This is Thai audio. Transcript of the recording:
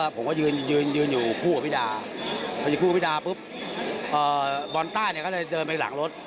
พอที่คู่กับพี่ดาปุ๊บบอลต้ายเนี่ยก็เลยเดินไปหลังรถ